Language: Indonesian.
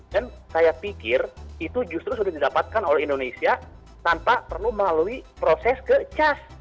dan saya pikir itu justru sudah didapatkan oleh indonesia tanpa perlu melalui proses ke cas